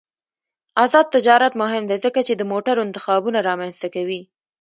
آزاد تجارت مهم دی ځکه چې د موټرو انتخابونه رامنځته کوي.